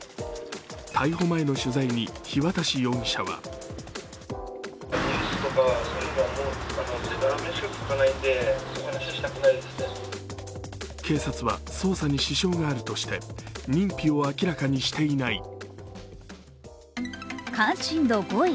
逮捕前に取材に日渡容疑者は警察は捜査に支障があるとして認否を明らかにしていない。